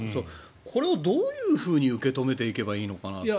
これをどういうふうに受け止めていけばいいのかなという。